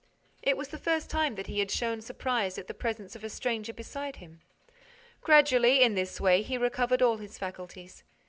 It was the first time that he had shown surprise at the presence of a stranger beside him. Gradually, in this way, he recovered all his faculties.